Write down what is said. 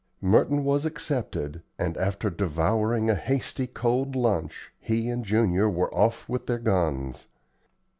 Merton was excepted, and, after devouring a hasty cold lunch, he and Junior were off with their guns.